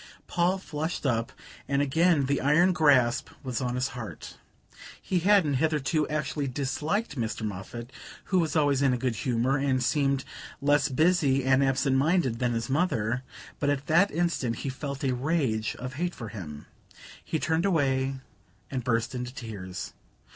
Paul flushed up, and again the iron grasp was on his heart. He hadn't, hitherto, actually disliked Mr. Moffatt, who was always in a good humour, and seemed less busy and absent minded than his mother; but at that instant he felt a rage of hate for him. He turned away and burst into tears.